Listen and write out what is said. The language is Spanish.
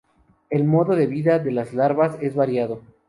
El modo de vida de las larvas es variado.